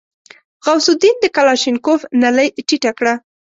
غوث الدين د کلاشينکوف نلۍ ټيټه کړه.